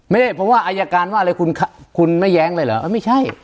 ไม่ได้เพราะว่าอายการว่าอะไรคุณคุณไม่แย้งเลยเหรอไม่ใช่